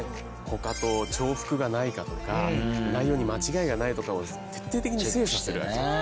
他と重複がないかとか内容に間違いがないとかを徹底的に精査する。